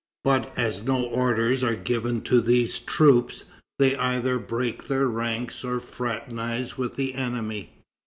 But as no orders are given to these troops, they either break their ranks or fraternize with the enemy.